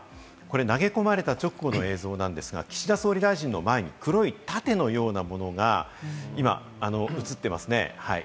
投げ込まれた直後の映像なんですが、岸田総理大臣の前に黒い盾のようなものが今、映っていますね。